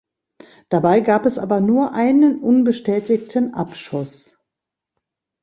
Dabei gab es aber nur einen unbestätigten Abschuss.